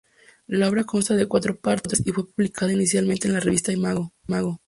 La obra consta de cuatro partes y fue publicada inicialmente en la revista Imago.